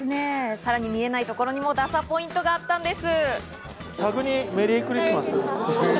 さらに見えないところにもダサポイントがあったんです。